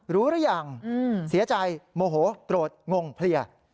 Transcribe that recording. รู้หรืออย่างเสียใจโมโหโตรดงงเพลีย